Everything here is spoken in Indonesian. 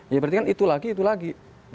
ya berarti kan itu lagi itu lagi